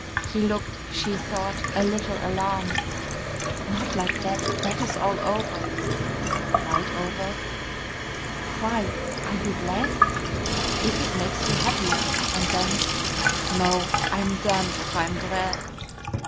He looked, she thought, a little alarmed. "Not like that, that is all over." "Quite over?" "Quite are you glad?" "If it makes you happier," and then, "No, I'm damned if I'm glad."